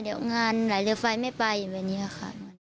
เดี๋ยวงานไหลเรือไฟไม่ไปแบบนี้ค่ะ